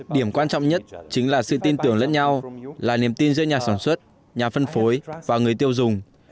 điểm quan trọng nhất chính là sự tin tưởng lẫn nhau là niềm tin giữa nhà sản xuất nhà phân phối và người tiêu dùng